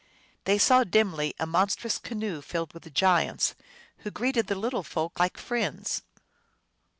They saw dimly a monstrous canoe filled with giants, who greeted the little folk like friends.